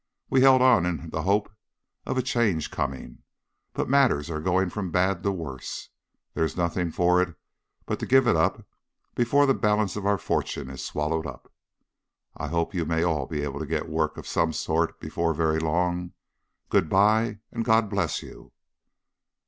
We held on in the hope of a change coming, but matters are going from bad to worse. There's nothing for it but to give it up before the balance of our fortune is swallowed up. I hope you may all be able to get work of some sort before very long. Good bye, and God bless you!"